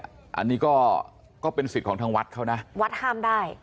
อันนี้ก็เป็นสิทธิ์ของทางวัดเขานะวัดห้ามได้